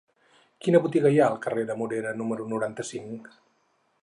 Quina botiga hi ha al carrer de la Morera número noranta-cinc?